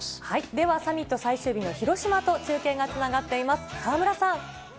では、サミット最終日の広島と中継がつながっています。